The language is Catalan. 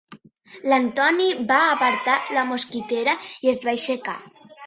L'Anthony va apartar la mosquitera i es va aixecar.